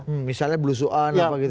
hmm misalnya belusukan apa gitu gitu